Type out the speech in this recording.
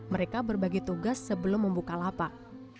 mereka berbagi tugas sebelum membuka lapak